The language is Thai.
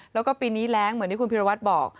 แล้วก็ปีนี้แรงเหมือนที่คุณพิรวัตรบอก